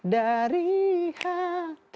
dari hati yang tertentu